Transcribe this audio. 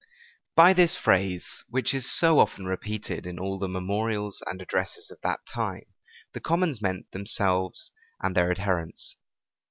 By this phrase, which is so often repeated in all the memorials and addresses of that time, the commons meant themselves and their adherents.